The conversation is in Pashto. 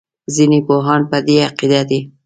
ځینې پوهان په دې عقیده دي.